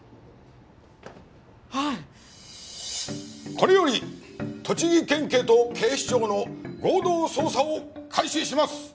これより栃木県警と警視庁の合同捜査を開始します！